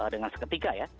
dengan seketika ya